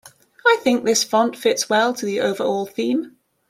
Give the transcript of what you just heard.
I think this font fits well to the overall theme.